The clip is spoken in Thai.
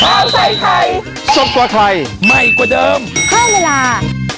ข้าวไทยไทยส้มกว่าไทยใหม่กว่าเดิมข้าวเวลา